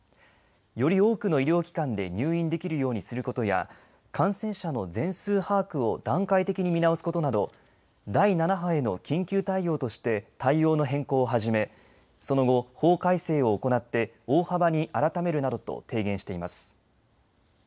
より多くの医療機関で入院できるようにすることや感染者の全数把握を段階的に見直すことなど、第７波への緊急対応として対応の変更を始めその後、法改正を行って大幅に改めるなどと提言しています。